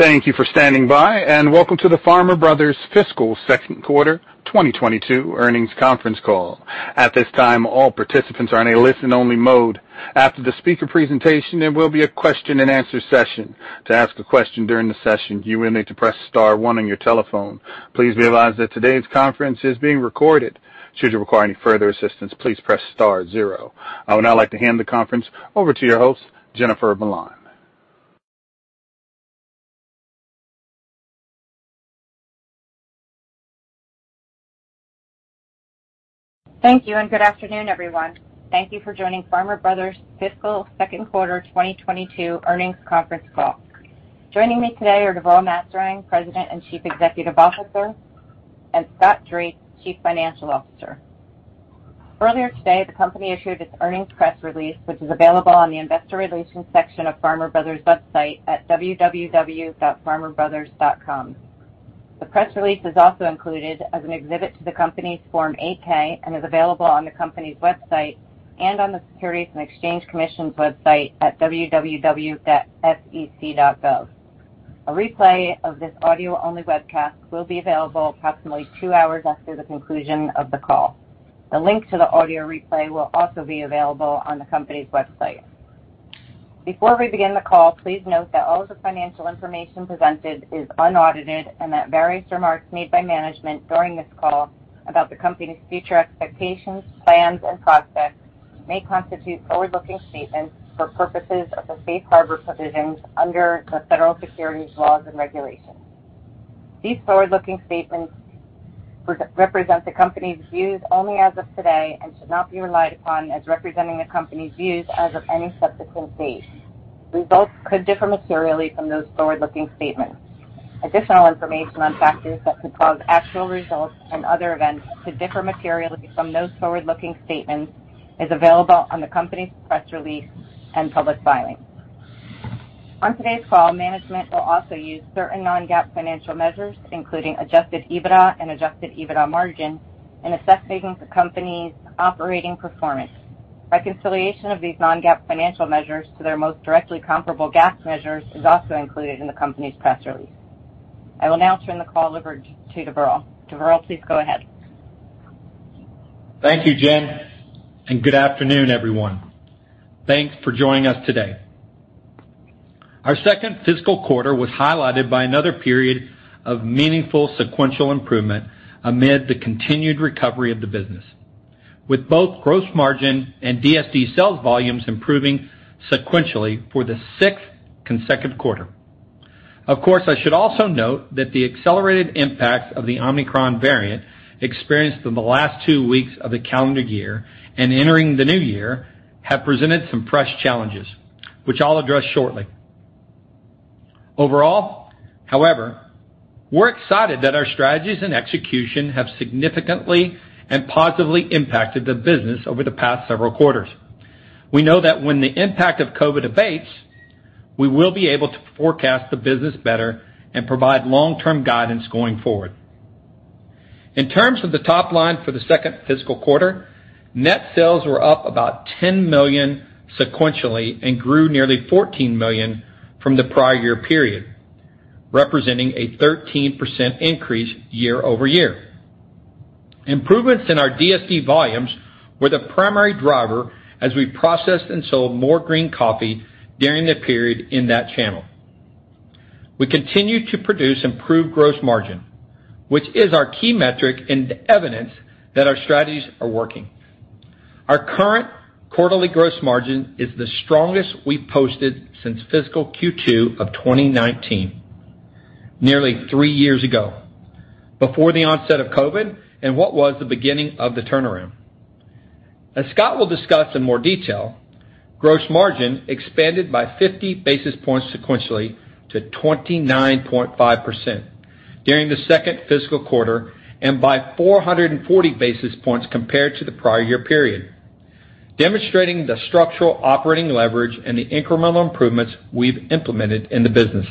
Thank you for standing by, and welcome to the Farmer Bros fiscal second quarter 2022 earnings conference call. At this time, all participants are in a listen-only mode. After the speaker presentation, there will be a question-and-answer session. To ask a question during the session, you will need to press star one on your telephone. Please be advised that today's conference is being recorded. Should you require any further assistance, please press star zero. I would now like to hand the conference over to your host, Jennifer Milan. Thank you, and good afternoon, everyone. Thank you for joining Farmer Brothers fiscal second quarter 2022 earnings conference call. Joining me today are Deverl Maserang, President and Chief Executive Officer, and Scott Drake, Chief Financial Officer. Earlier today, the company issued its earnings press release, which is available on the investor relations section of Farmer Brothers' website at www.farmerbrothers.com. The press release is also included as an exhibit to the company's Form 8-K and is available on the company's website and on the Securities and Exchange Commission's website at www.sec.gov. A replay of this audio-only webcast will be available approximately two hours after the conclusion of the call. The link to the audio replay will also be available on the company's website. Before we begin the call, please note that all of the financial information presented is unaudited and that various remarks made by management during this call about the company's future expectations, plans, and prospects may constitute forward-looking statements for purposes of the safe harbor provisions under the federal securities laws and regulations. These forward-looking statements represent the company's views only as of today and should not be relied upon as representing the company's views as of any subsequent date. Results could differ materially from those forward-looking statements. Additional information on factors that could cause actual results and other events to differ materially from those forward-looking statements is available on the company's press release and public filings. On today's call, management will also use certain non-GAAP financial measures, including adjusted EBITDA and adjusted EBITDA margin in assessing the company's operating performance. Reconciliation of these non-GAAP financial measures to their most directly comparable GAAP measures is also included in the company's press release. I will now turn the call over to Deverl. Deverl, please go ahead. Thank you, Jen, and good afternoon, everyone. Thanks for joining us today. Our second fiscal quarter was highlighted by another period of meaningful sequential improvement amid the continued recovery of the business, with both gross margin and DSD sales volumes improving sequentially for the sixth consecutive quarter. Of course, I should also note that the accelerated impacts of the Omicron variant experienced in the last two weeks of the calendar year and entering the new year have presented some fresh challenges, which I'll address shortly. Overall, however, we're excited that our strategies and execution have significantly and positively impacted the business over the past several quarters. We know that when the impact of COVID abates, we will be able to forecast the business better and provide long-term guidance going forward. In terms of the top line for the second fiscal quarter, net sales were up about $10 million sequentially and grew nearly $14 million from the prior year period, representing a 13% increase year-over-year. Improvements in our DSD volumes were the primary driver as we processed and sold more green coffee during the period in that channel. We continue to produce improved gross margin, which is our key metric and evidence that our strategies are working. Our current quarterly gross margin is the strongest we've posted since fiscal Q2 of 2019, nearly 3 years ago, before the onset of COVID and what was the beginning of the turnaround. As Scott will discuss in more detail, gross margin expanded by 50 basis points sequentially to 29.5% during the second fiscal quarter and by 440 basis points compared to the prior year period, demonstrating the structural operating leverage and the incremental improvements we've implemented in the business.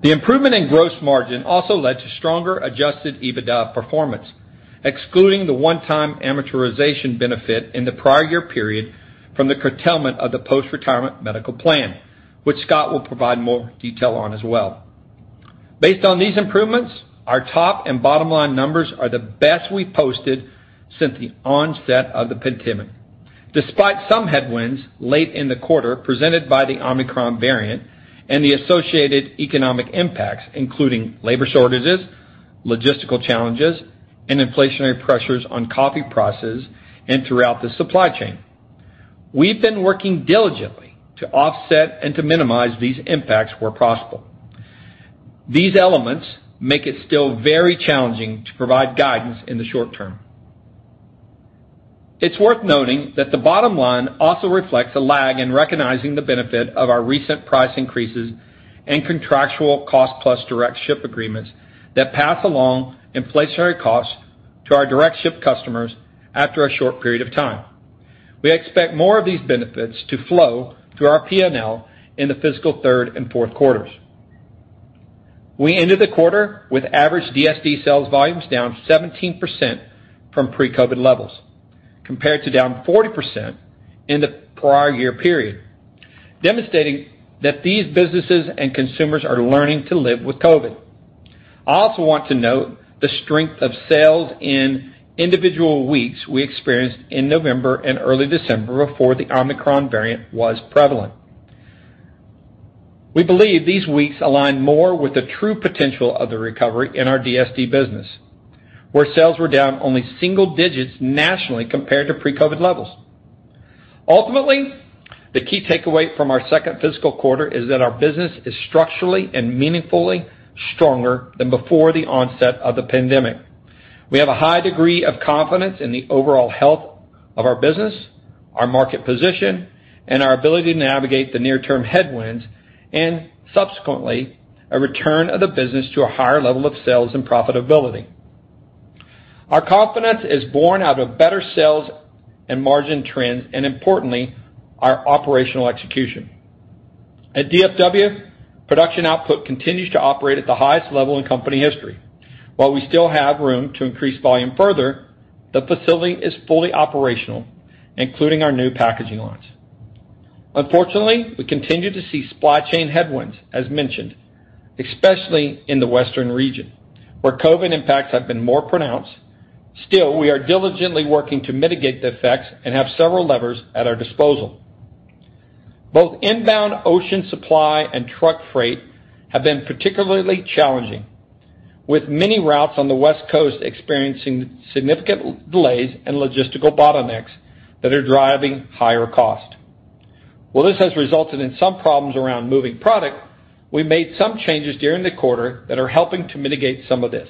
The improvement in gross margin also led to stronger adjusted EBITDA performance, excluding the one-time amortization benefit in the prior year period from the curtailment of the post-retirement medical plan, which Scott will provide more detail on as well. Based on these improvements, our top and bottom line numbers are the best we've posted since the onset of the pandemic, despite some headwinds late in the quarter presented by the Omicron variant and the associated economic impacts, including labor shortages, logistical challenges, and inflationary pressures on coffee prices and throughout the supply chain. We've been working diligently to offset and to minimize these impacts where possible. These elements make it still very challenging to provide guidance in the short term. It's worth noting that the bottom line also reflects a lag in recognizing the benefit of our recent price increases and contractual cost-plus direct ship agreements that pass along inflationary costs to our direct ship customers after a short period of time. We expect more of these benefits to flow through our P&L in the fiscal third and fourth quarters. We ended the quarter with average DSD sales volumes down 17% from pre-COVID levels, compared to down 40% in the prior year period, demonstrating that these businesses and consumers are learning to live with COVID. I also want to note the strength of sales in individual weeks we experienced in November and early December before the Omicron variant was prevalent. We believe these weeks align more with the true potential of the recovery in our DSD business, where sales were down only single digits nationally compared to pre-COVID levels. Ultimately, the key takeaway from our second fiscal quarter is that our business is structurally and meaningfully stronger than before the onset of the pandemic. We have a high degree of confidence in the overall health of our business, our market position, and our ability to navigate the near-term headwinds and subsequently a return of the business to a higher level of sales and profitability. Our confidence is born out of better sales and margin trends, and importantly, our operational execution. At DFW, production output continues to operate at the highest level in company history. While we still have room to increase volume further, the facility is fully operational, including our new packaging lines. Unfortunately, we continue to see supply chain headwinds as mentioned, especially in the Western region, where COVID impacts have been more pronounced. Still, we are diligently working to mitigate the effects and have several levers at our disposal. Both inbound ocean supply and truck freight have been particularly challenging, with many routes on the West Coast experiencing significant delays and logistical bottlenecks that are driving higher cost. While this has resulted in some problems around moving product, we made some changes during the quarter that are helping to mitigate some of this.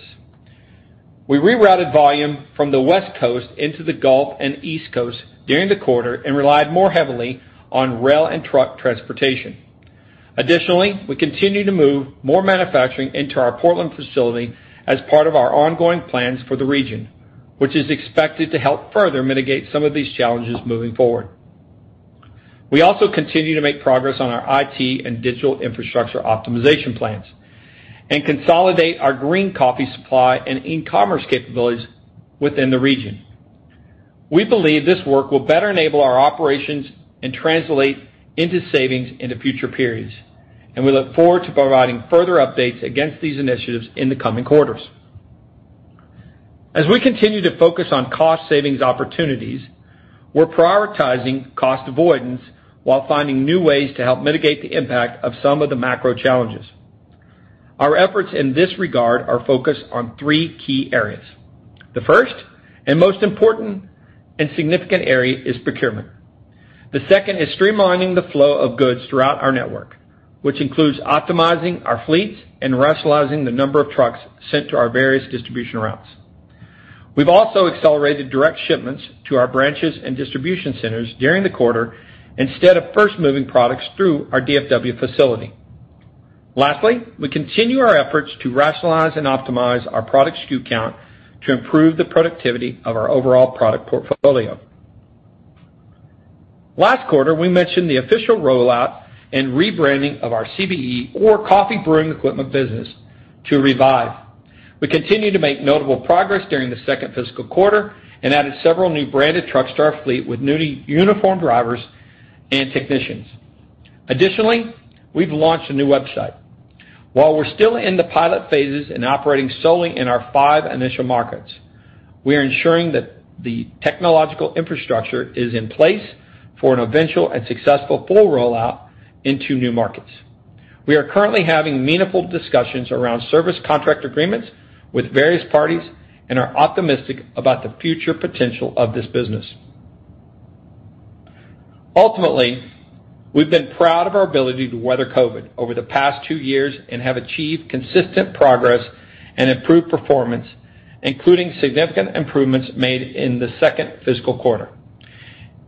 We rerouted volume from the West Coast into the Gulf and East Coast during the quarter and relied more heavily on rail and truck transportation. Additionally, we continue to move more manufacturing into our Portland facility as part of our ongoing plans for the region, which is expected to help further mitigate some of these challenges moving forward. We also continue to make progress on our IT and digital infrastructure optimization plans and consolidate our green coffee supply and e-commerce capabilities within the region. We believe this work will better enable our operations and translate into savings into future periods, and we look forward to providing further updates against these initiatives in the coming quarters. As we continue to focus on cost savings opportunities, we're prioritizing cost avoidance while finding new ways to help mitigate the impact of some of the macro challenges. Our efforts in this regard are focused on three key areas. The first, and most important and significant area is procurement. The second is streamlining the flow of goods throughout our network, which includes optimizing our fleets and rationalizing the number of trucks sent to our various distribution routes. We've also accelerated direct shipments to our branches and distribution centers during the quarter instead of first moving products through our DFW facility. Lastly, we continue our efforts to rationalize and optimize our product SKU count to improve the productivity of our overall product portfolio. Last quarter, we mentioned the official rollout and rebranding of our CBE or coffee brewing equipment business to Revive. We continued to make notable progress during the second fiscal quarter and added several new branded trucks to our fleet with newly uniformed drivers and technicians. Additionally, we've launched a new website. While we're still in the pilot phases and operating solely in our five initial markets, we are ensuring that the technological infrastructure is in place for an eventual and successful full rollout into new markets. We are currently having meaningful discussions around service contract agreements with various parties and are optimistic about the future potential of this business. Ultimately, we've been proud of our ability to weather COVID over the past two years and have achieved consistent progress and improved performance, including significant improvements made in the second fiscal quarter.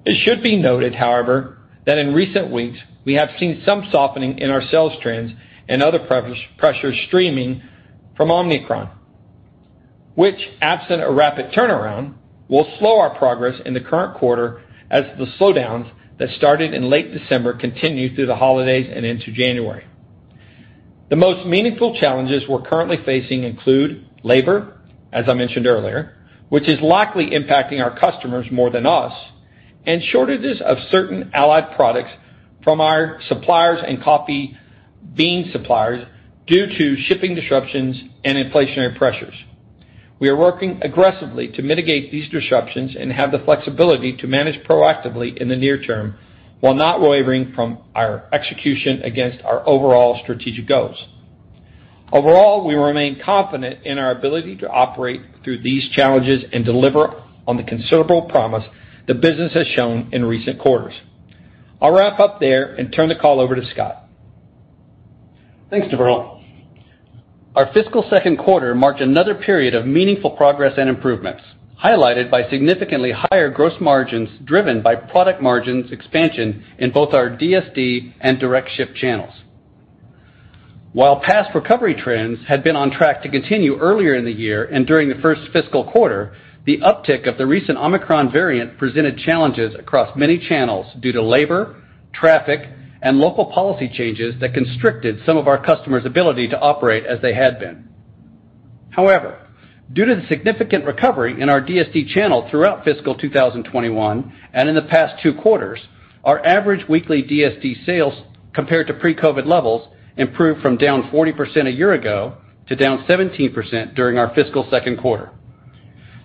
It should be noted, however, that in recent weeks, we have seen some softening in our sales trends and other pressures stemming from Omicron, which, absent a rapid turnaround, will slow our progress in the current quarter as the slowdowns that started in late December continue through the holidays and into January. The most meaningful challenges we're currently facing include labor, as I mentioned earlier, which is likely impacting our customers more than us, and shortages of certain allied products from our suppliers and coffee bean suppliers due to shipping disruptions and inflationary pressures. We are working aggressively to mitigate these disruptions and have the flexibility to manage proactively in the near term while not wavering from our execution against our overall strategic goals. Overall, we remain confident in our ability to operate through these challenges and deliver on the considerable promise the business has shown in recent quarters. I'll wrap up there and turn the call over to Scott. Thanks, Deverl. Our fiscal second quarter marked another period of meaningful progress and improvements, highlighted by significantly higher gross margins driven by product margins expansion in both our DSD and direct ship channels. While past recovery trends had been on track to continue earlier in the year and during the first fiscal quarter, the uptick of the recent Omicron variant presented challenges across many channels due to labor, traffic, and local policy changes that constricted some of our customers' ability to operate as they had been. However, due to the significant recovery in our DSD channel throughout fiscal 2021 and in the past two quarters, our average weekly DSD sales compared to pre-COVID levels improved from down 40% a year ago to down 17% during our fiscal second quarter.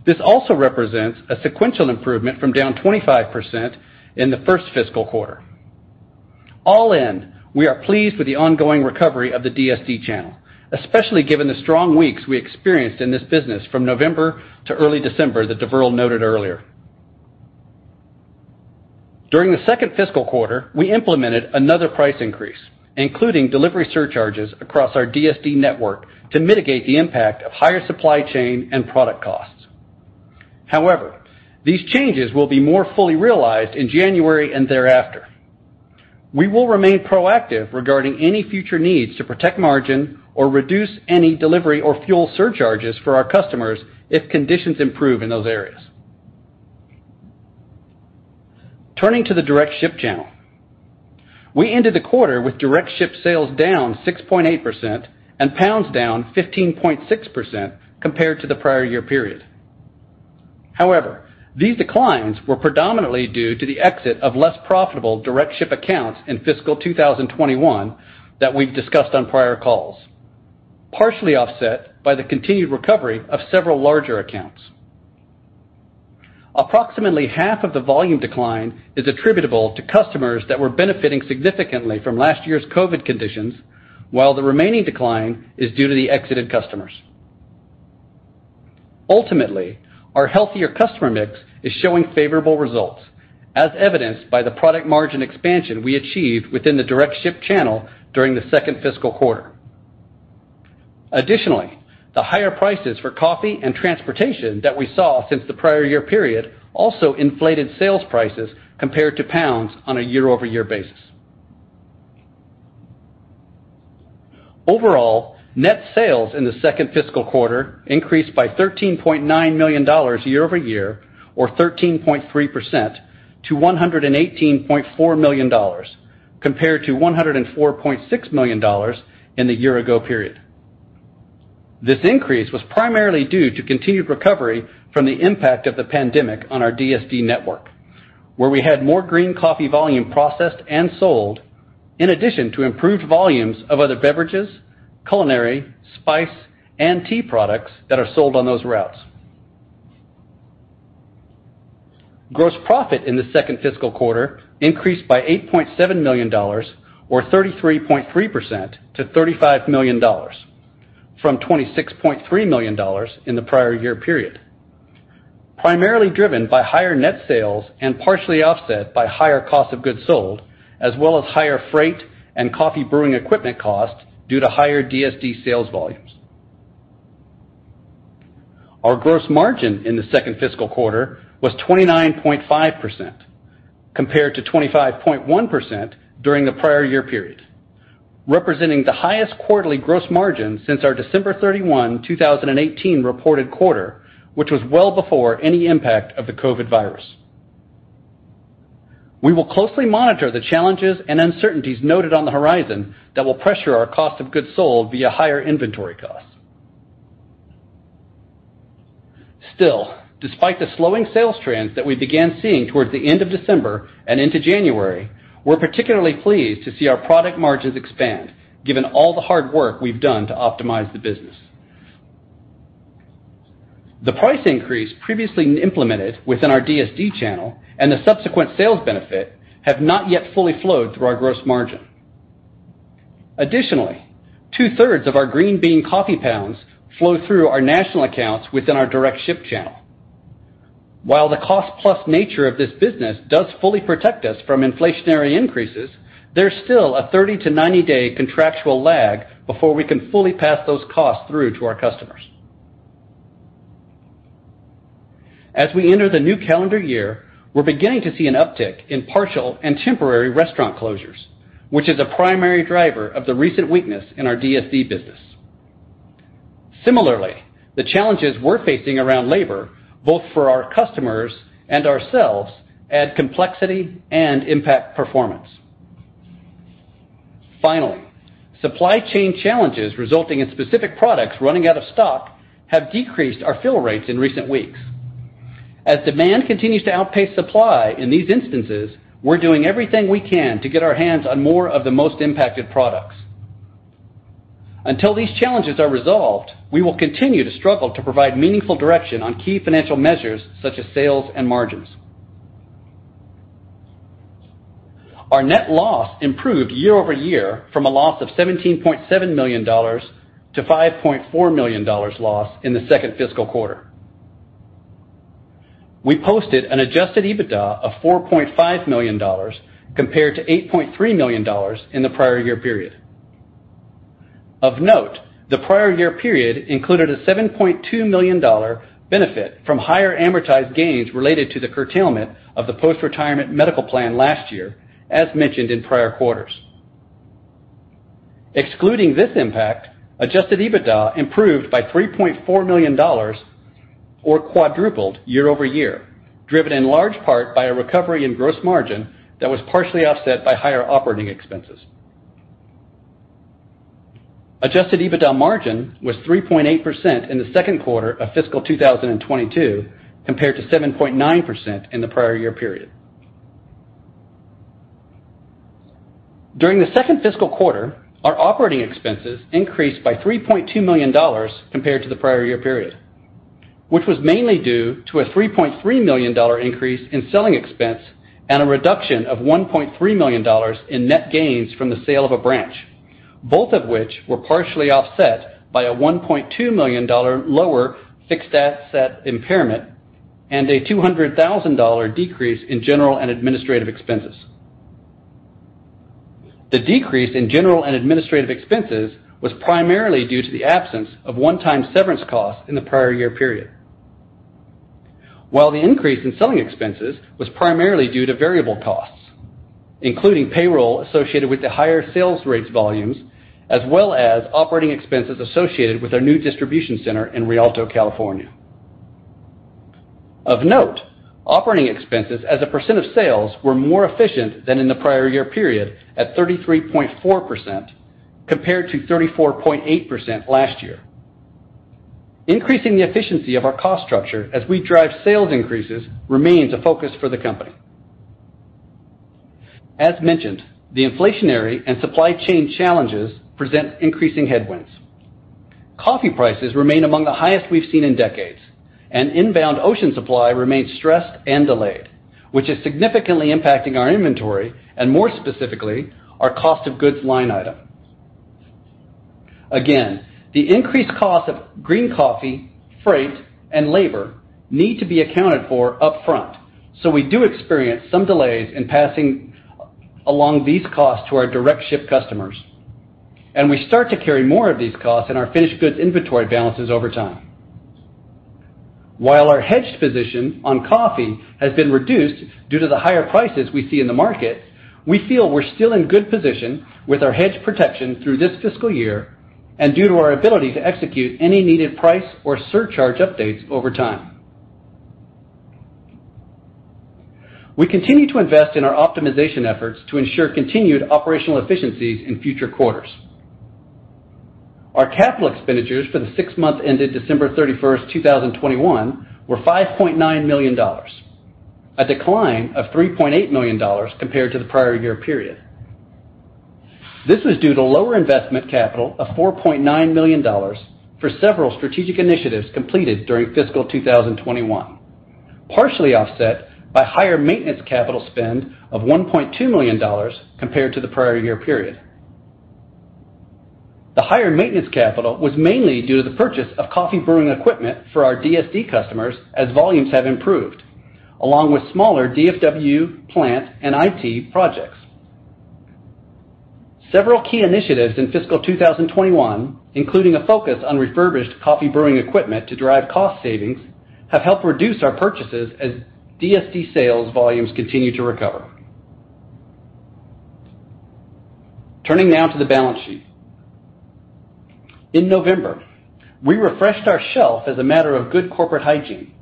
This also represents a sequential improvement from down 25% in the first fiscal quarter. All in, we are pleased with the ongoing recovery of the DSD channel, especially given the strong weeks we experienced in this business from November to early December that Deverl noted earlier. During the second fiscal quarter, we implemented another price increase, including delivery surcharges across our DSD network to mitigate the impact of higher supply chain and product costs. However, these changes will be more fully realized in January and thereafter. We will remain proactive regarding any future needs to protect margin or reduce any delivery or fuel surcharges for our customers if conditions improve in those areas. Turning to the direct ship channel. We ended the quarter with direct ship sales down 6.8% and pounds down 15.6% compared to the prior year period. However, these declines were predominantly due to the exit of less profitable direct ship accounts in fiscal 2021 that we've discussed on prior calls, partially offset by the continued recovery of several larger accounts. Approximately half of the volume decline is attributable to customers that were benefiting significantly from last year's COVID conditions, while the remaining decline is due to the exited customers. Ultimately, our healthier customer mix is showing favorable results, as evidenced by the product margin expansion we achieved within the direct ship channel during the second fiscal quarter. Additionally, the higher prices for coffee and transportation that we saw since the prior year period also inflated sales prices compared to pounds on a year-over-year basis. Overall, net sales in the second fiscal quarter increased by $13.9 million year-over-year, or 13.3% to $118.4 million compared to $104.6 million in the year ago period. This increase was primarily due to continued recovery from the impact of the pandemic on our DSD network, where we had more green coffee volume processed and sold in addition to improved volumes of other beverages, culinary, spice, and tea products that are sold on those routes. Gross profit in the second fiscal quarter increased by $8.7 million or 33.3% to $35 million from $26.3 million in the prior year period, primarily driven by higher net sales and partially offset by higher cost of goods sold, as well as higher freight and coffee brewing equipment costs due to higher DSD sales volumes. Our gross margin in the second fiscal quarter was 29.5% compared to 25.1% during the prior year period, representing the highest quarterly gross margin since our December 31, 2018 reported quarter, which was well before any impact of the COVID virus. We will closely monitor the challenges and uncertainties noted on the horizon that will pressure our cost of goods sold via higher inventory costs. Still, despite the slowing sales trends that we began seeing towards the end of December and into January, we're particularly pleased to see our product margins expand given all the hard work we've done to optimize the business. The price increase previously implemented within our DSD channel and the subsequent sales benefit have not yet fully flowed through our gross margin. Additionally, two-thirds of our green bean coffee pounds flow through our national accounts within our direct ship channel. While the cost plus nature of this business does fully protect us from inflationary increases, there's still a 30- to 90-day contractual lag before we can fully pass those costs through to our customers. As we enter the new calendar year, we're beginning to see an uptick in partial and temporary restaurant closures, which is a primary driver of the recent weakness in our DSD business. Similarly, the challenges we're facing around labor, both for our customers and ourselves, add complexity and impact performance. Finally, supply chain challenges resulting in specific products running out of stock have decreased our fill rates in recent weeks. As demand continues to outpace supply in these instances, we're doing everything we can to get our hands on more of the most impacted products. Until these challenges are resolved, we will continue to struggle to provide meaningful direction on key financial measures such as sales and margins. Our net loss improved year-over-year from a loss of $17.7 million to $5.4 million loss in the second fiscal quarter. We posted an adjusted EBITDA of $4.5 million compared to $8.3 million in the prior year period. Of note, the prior year period included a $7.2 million benefit from higher amortized gains related to the curtailment of the post-retirement medical plan last year, as mentioned in prior quarters. Excluding this impact, adjusted EBITDA improved by $3.4 million, or quadrupled year over year, driven in large part by a recovery in gross margin that was partially offset by higher operating expenses. Adjusted EBITDA margin was 3.8% in the second quarter of fiscal 2022 compared to 7.9% in the prior year period. During the second fiscal quarter, our operating expenses increased by $3.2 million compared to the prior year period, which was mainly due to a $3.3 million increase in selling expense and a reduction of $1.3 million in net gains from the sale of a branch, both of which were partially offset by a $1.2 million lower fixed asset impairment and a $200,000 decrease in general and administrative expenses. The decrease in general and administrative expenses was primarily due to the absence of one-time severance costs in the prior year period. While the increase in selling expenses was primarily due to variable costs, including payroll associated with the higher sales route volumes, as well as operating expenses associated with our new distribution center in Rialto, California. Of note, operating expenses as a percent of sales were more efficient than in the prior year period at 33.4% compared to 34.8% last year. Increasing the efficiency of our cost structure as we drive sales increases remains a focus for the company. As mentioned, the inflationary and supply chain challenges present increasing headwinds. Coffee prices remain among the highest we've seen in decades, and inbound ocean supply remains stressed and delayed, which is significantly impacting our inventory and more specifically, our cost of goods line item. Again, the increased cost of green coffee, freight, and labor need to be accounted for up front. We do experience some delays in passing along these costs to our direct ship customers, and we start to carry more of these costs in our finished goods inventory balances over time. While our hedged position on coffee has been reduced due to the higher prices we see in the market, we feel we're still in good position with our hedge protection through this fiscal year and due to our ability to execute any needed price or surcharge updates over time. We continue to invest in our optimization efforts to ensure continued operational efficiencies in future quarters. Our capital expenditures for the six months ended December 31, 2021 were $5.9 million, a decline of $3.8 million compared to the prior year period. This was due to lower investment capital of $4.9 million for several strategic initiatives completed during fiscal 2021, partially offset by higher maintenance capital spend of $1.2 million compared to the prior year period. The higher maintenance capital was mainly due to the purchase of coffee brewing equipment for our DSD customers as volumes have improved, along with smaller DFW plant and IT projects. Several key initiatives in fiscal 2021, including a focus on refurbished coffee brewing equipment to drive cost savings, have helped reduce our purchases as DSD sales volumes continue to recover. Turning now to the balance sheet. In November, we refreshed our shelf as a matter of good corporate hygiene.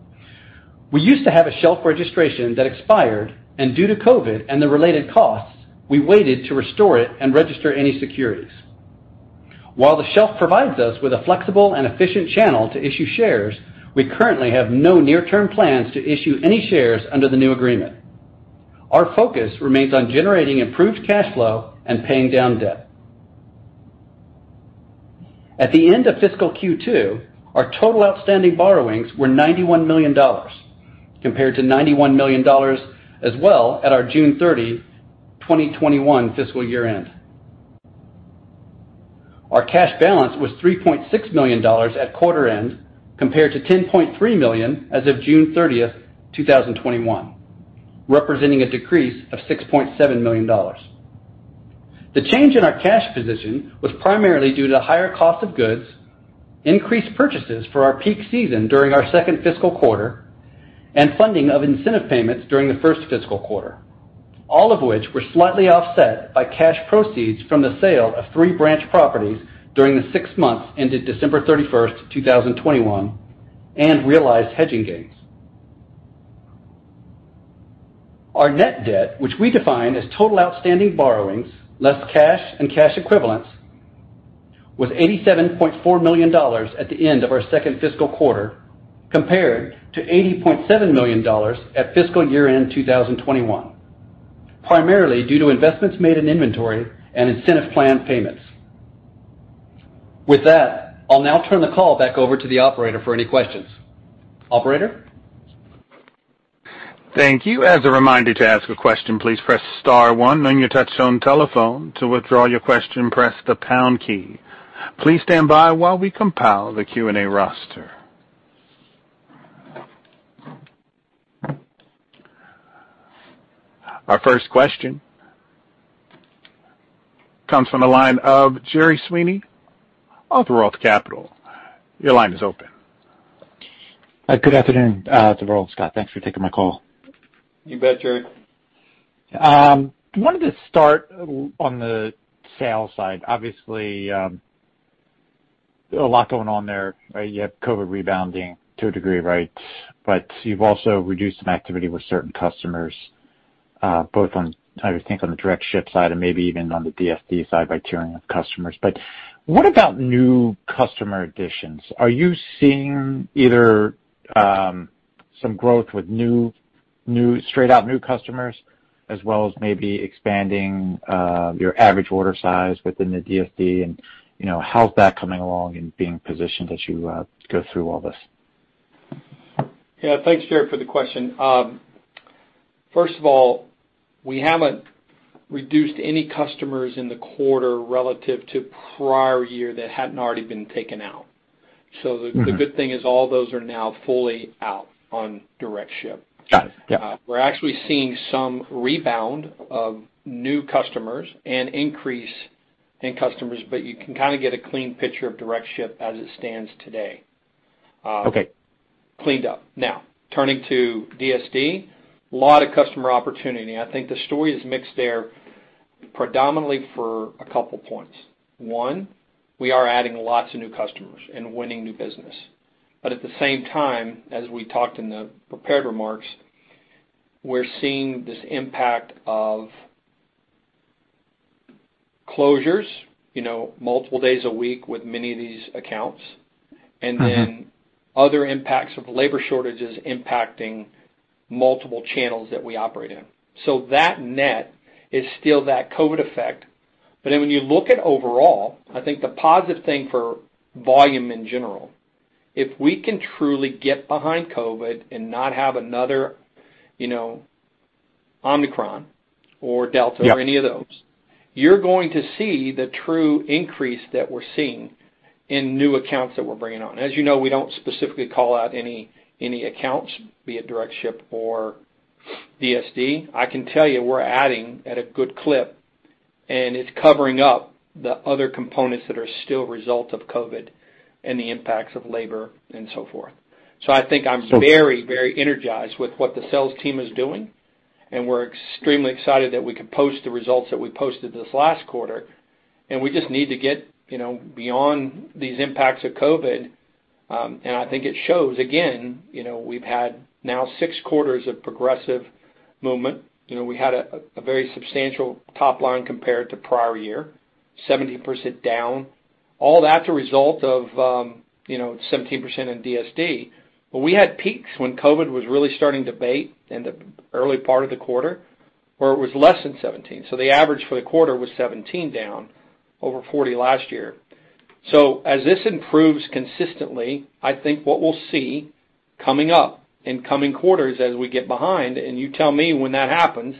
We used to have a shelf registration that expired, and due to COVID and the related costs, we waited to restore it and register any securities. While the shelf provides us with a flexible and efficient channel to issue shares, we currently have no near-term plans to issue any shares under the new agreement. Our focus remains on generating improved cash flow and paying down debt. At the end of fiscal Q2, our total outstanding borrowings were $91 million compared to $91 million as well at our June 30, 2021 fiscal year-end. Our cash balance was $3.6 million at quarter end compared to $10.3 million as of June 30, 2021, representing a decrease of $6.7 million. The change in our cash position was primarily due to higher cost of goods, increased purchases for our peak season during our second fiscal quarter, and funding of incentive payments during the first fiscal quarter, all of which were slightly offset by cash proceeds from the sale of three branch properties during the six months ended December 31, 2021 and realized hedging gains. Our net debt, which we define as total outstanding borrowings less cash and cash equivalents, was $87.4 million at the end of our second fiscal quarter compared to $80.7 million at fiscal year end 2021, primarily due to investments made in inventory and incentive plan payments. With that, I'll now turn the call back over to the Operator for any questions. Operator? Our first question comes from the line of Gerard Sweeney of ROTH Capital Partners. Your line is open. Good afternoon, it's Gerard Sweeney. Thanks for taking my call. You bet, Gerard. Wanted to start on the sales side. Obviously, a lot going on there. You have COVID rebounding to a degree, right? You've also reduced some activity with certain customers, both on, I would think, on the direct ship side and maybe even on the DSD side by tiering with customers. What about new customer additions? Are you seeing either, some growth with new straight out new customers as well as maybe expanding, your average order size within the DSD and, you know, how's that coming along and being positioned as you, go through all this? Yeah. Thanks, Gerard, for the question. First of all, we haven't reduced any customers in the quarter relative to prior year that hadn't already been taken out. Mm-hmm. The good thing is all those are now fully out on direct ship. Got it. Yeah. We're actually seeing some rebound of new customers and increase in customers, but you can kind of get a clean picture of direct ship as it stands today. Okay. Cleaned up. Now, turning to DSD, lot of customer opportunity. I think the story is mixed there predominantly for a couple points. One, we are adding lots of new customers and winning new business. At the same time, as we talked in the prepared remarks, we're seeing this impact of closures, you know, multiple days a week with many of these accounts. Mm-hmm. Then other impacts of labor shortages impacting multiple channels that we operate in. That net is still that COVID effect. When you look at overall, I think the positive thing for volume in general, if we can truly get behind COVID and not have another, you know, Omicron or Delta. Yep ...or any of those, you're going to see the true increase that we're seeing in new accounts that we're bringing on. As you know, we don't specifically call out any accounts, be it direct ship or DSD. I can tell you, we're adding at a good clip, and it's covering up the other components that are still a result of COVID and the impacts of labor and so forth. I think I'm very, very energized with what the sales team is doing, and we're extremely excited that we could post the results that we posted this last quarter. We just need to get, you know, beyond these impacts of COVID, and I think it shows again, you know, we've had now six quarters of progressive movement. You know, we had a very substantial top line compared to prior year, 17% down. All that's a result of 17% in DSD. We had peaks when COVID was really starting to abate in the early part of the quarter, where it was less than 17%. The average for the quarter was 17% down, over 40% last year. This improves consistently. I think what we'll see coming up in coming quarters as we get behind, and you tell me when that happens,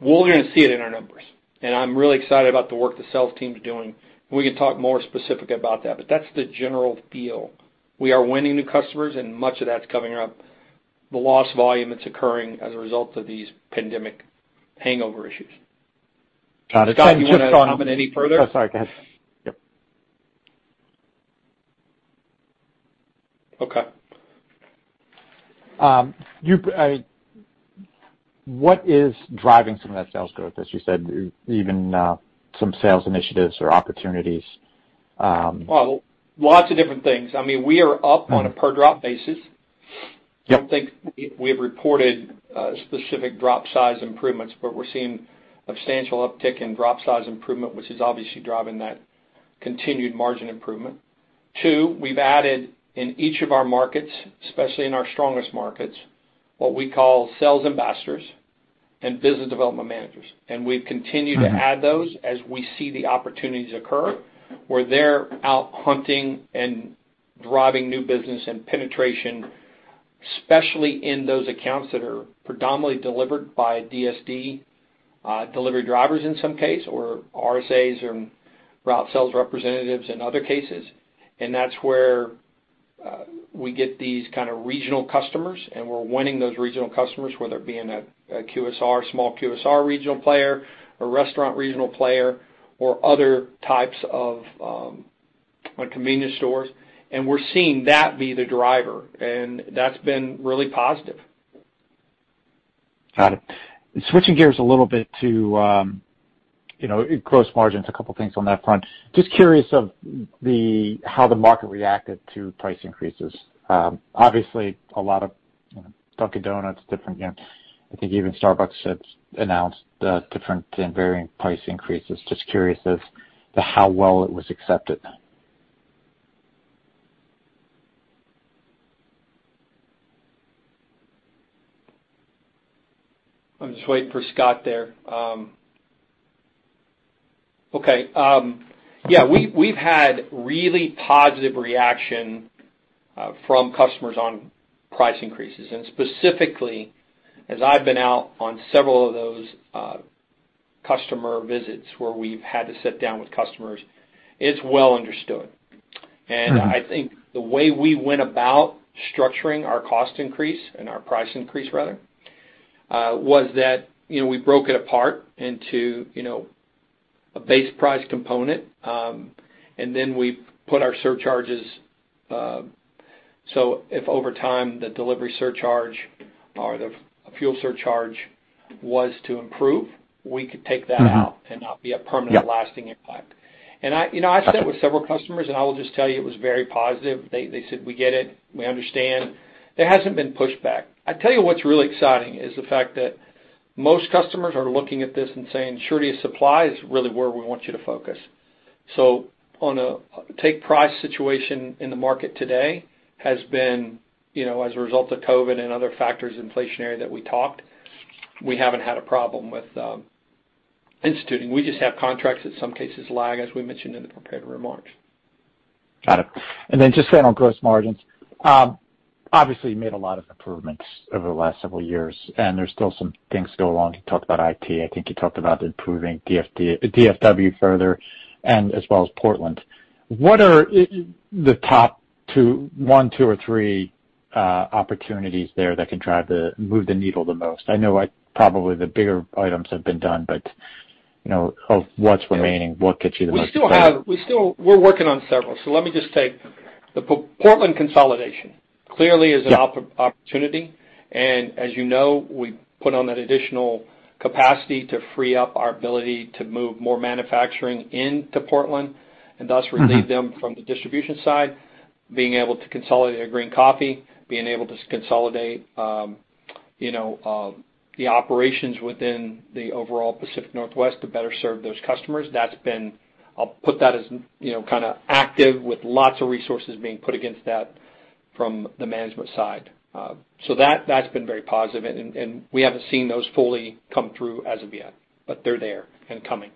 we're gonna see it in our numbers. I'm really excited about the work the sales team's doing. We can talk more specific about that, but that's the general feel. We are winning new customers, and much of that's covering up the loss volume that's occurring as a result of these pandemic hangover issues. Got it. Just on. Scott, you wanna comment any further? Oh, sorry, go ahead. Yep. Okay. What is driving some of that sales growth, as you said, even some sales initiatives or opportunities? Well, lots of different things. I mean, we are up on a per drop basis. Yep. I don't think we have reported specific drop size improvements, but we're seeing substantial uptick in drop size improvement, which is obviously driving that continued margin improvement. Two, we've added in each of our markets, especially in our strongest markets, what we call sales ambassadors and business development managers. We've continued- Mm-hmm ...to add those as we see the opportunities occur, where they're out hunting and driving new business and penetration, especially in those accounts that are predominantly delivered by DSD, delivery drivers in some case, or RSAs or route sales representatives in other cases. That's where we get these kinda regional customers, and we're winning those regional customers, whether it be in a QSR, small QSR regional player, a restaurant regional player or other types of, like convenience stores. We're seeing that be the driver, and that's been really positive. Got it. Switching gears a little bit to, you know, gross margins, a couple things on that front. Just curious how the market reacted to price increases. Obviously, a lot of, you know, Dunkin' Donuts, different, you know, I think even Starbucks has announced different and varying price increases. Just curious as to how well it was accepted. I'm just waiting for Scott there. Okay. We've had really positive reaction from customers on price increases. Specifically, as I've been out on several of those customer visits where we've had to sit down with customers, it's well understood. Mm-hmm. I think the way we went about structuring our cost increase and our price increase rather was that, you know, we broke it apart into a base price component, and then we put our surcharges, so if over time the delivery surcharge or the fuel surcharge was to improve, we could take that out. Mm-hmm. not be a permanent. Yeah. Lasting impact. I, you know, I sat with several customers, and I will just tell you it was very positive. They said, "We get it. We understand." There hasn't been pushback. I tell you what's really exciting is the fact that most customers are looking at this and saying, "Surety of supply is really where we want you to focus." On a take price situation in the market today has been, you know, as a result of COVID and other factors inflationary that we talked, we haven't had a problem with instituting. We just have contracts that some cases lag, as we mentioned in the prepared remarks. Got it. Just staying on gross margins. Obviously you made a lot of improvements over the last several years, and there's still some things still going. You talked about IT. I think you talked about improving DFW further and as well as Portland. What are the top one, two, or three opportunities there that can move the needle the most? I know, like, probably the bigger items have been done, but you know, of what's remaining, what gets you the most? We still have, we're working on several. Let me just take the Portland consolidation clearly is an opportunity. As you know, we put on that additional capacity to free up our ability to move more manufacturing into Portland and thus relieve them from the distribution side, being able to consolidate our green coffee, being able to consolidate, the operations within the overall Pacific Northwest to better serve those customers. That's been. I'll put that as, you know, kinda active with lots of resources being put against that from the management side. That, that's been very positive and we haven't seen those fully come through as of yet, but they're there and coming.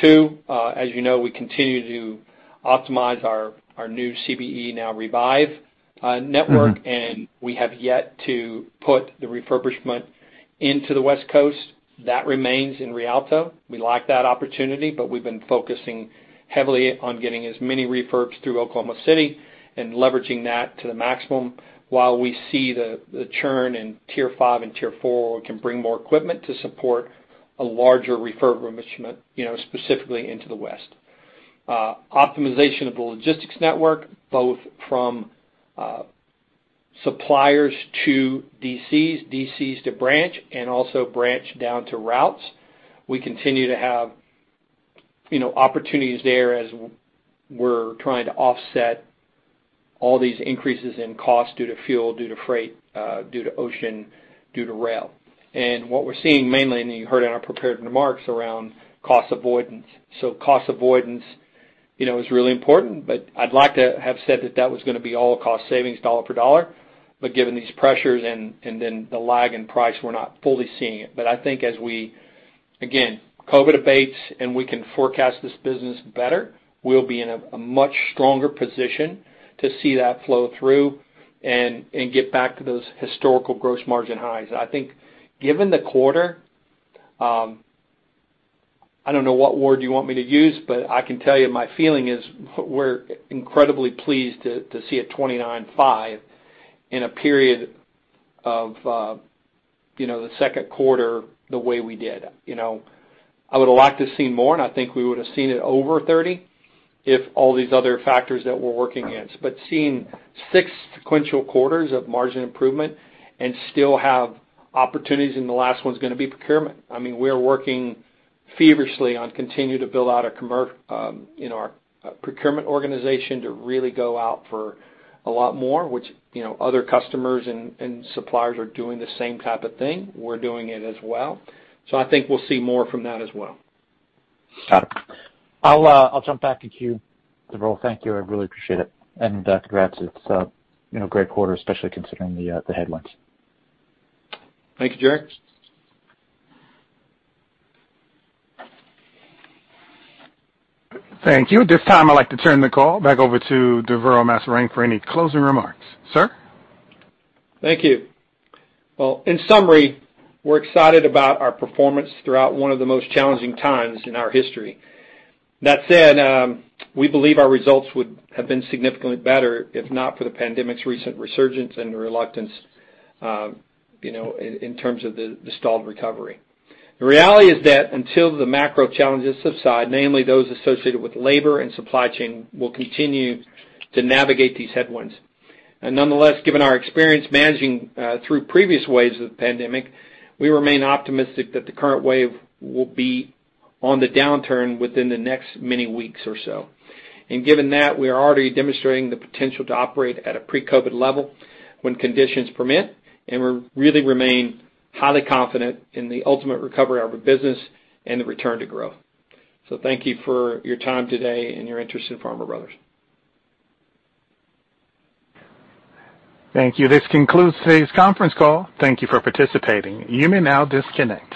Two, as you know, we continue to optimize our new CBE, now Revive, network. Mm-hmm. We have yet to put the refurbishment into the West Coast. That remains in Rialto. We like that opportunity, but we've been focusing heavily on getting as many refurbs through Oklahoma City and leveraging that to the maximum, while we see the churn in tier five and tier four where we can bring more equipment to support a larger refurbishment, you know, specifically into the west. Optimization of the logistics network, both from suppliers to DCs to branch, and also branch down to routes. We continue to have, you know, opportunities there as we're trying to offset all these increases in cost due to fuel, due to freight, due to ocean, due to rail. What we're seeing mainly, and you heard in our prepared remarks, around cost avoidance. Cost avoidance, you know, is really important, but I'd like to have said that was gonna be all cost savings dollar for dollar. Given these pressures and then the lag in price, we're not fully seeing it. I think as we, again, COVID abates and we can forecast this business better, we'll be in a much stronger position to see that flow through and get back to those historical gross margin highs. I think given the quarter, I don't know what word you want me to use, but I can tell you my feeling is we're incredibly pleased to see a 29.5% in a period of, you know, the second quarter the way we did. You know, I would have liked to have seen more, and I think we would've seen it over thirty if all these other factors that we're working against. Seeing six sequential quarters of margin improvement and still have opportunities, and the last one's gonna be procurement. I mean, we're working feverishly on continue to build out our procurement organization to really go out for a lot more, which, you know, other customers and suppliers are doing the same type of thing. We're doing it as well. I think we'll see more from that as well. Got it. I'll jump back in queue, Deverl. Thank you. I really appreciate it. Congrats. It's a, you know, great quarter, especially considering the headwinds. Thank you, Gerard. Thank you. At this time, I'd like to turn the call back over to Deverl Maserang for any closing remarks. Sir? Thank you. Well, in summary, we're excited about our performance throughout one of the most challenging times in our history. That said, we believe our results would have been significantly better if not for the pandemic's recent resurgence and reluctance, you know, in terms of the stalled recovery. The reality is that until the macro challenges subside, namely those associated with labor and supply chain, we'll continue to navigate these headwinds. Nonetheless, given our experience managing through previous waves of the pandemic, we remain optimistic that the current wave will be on the downturn within the next many weeks or so. Given that, we are already demonstrating the potential to operate at a pre-COVID level when conditions permit, and we really remain highly confident in the ultimate recovery of our business and the return to growth. Thank you for your time today and your interest in Farmer Bros. Thank you. This concludes today's conference call. Thank you for participating. You may now disconnect.